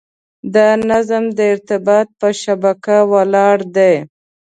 دا نظم د ارتباط په شبکه ولاړ دی.